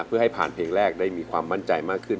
เพื่อให้ผ่านเพลงแรกได้มีความมั่นใจมากขึ้น